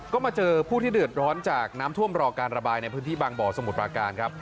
ก็มาเจอผู้ที่เดือดร้อนจากน้ำท่วมรอการระบายในพื้นที่บางบ่อสมุทรปราการครับ